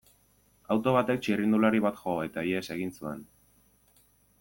Auto batek txirrindulari bat jo, eta ihes egin zuen.